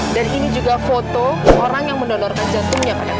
dan ini juga foto orang yang mendonorkan jantungnya pada kamu